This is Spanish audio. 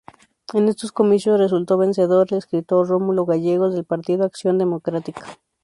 En estos comicios resultó vencedor el escritor Rómulo Gallegos del partido Acción Democrática.